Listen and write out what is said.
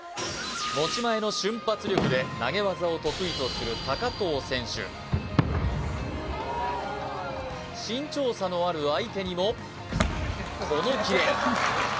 持ち前の瞬発力で投げ技を得意とする藤選手身長差のある相手にもこのキレ！